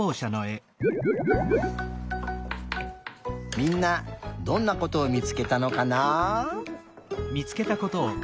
みんなどんなことを見つけたのかな？